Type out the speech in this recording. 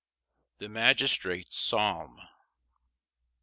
The Magistrate's psalm.